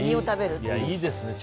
いいですね。